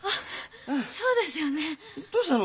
どうしたの？